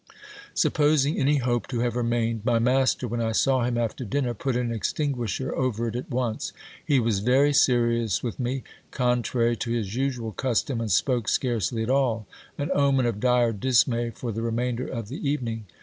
Supposing any hope to have remained, my master, when I saw him after din ner, put an exting.iisher over it at once. He was very serious with me, con trary to his usual custom, and spoke scarcely at all ; an omen of dire dismay for the remainder of the evening.